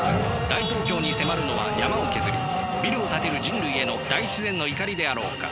大東京に迫るのは山を削りビルを建てる人類への大自然の怒りであろうか。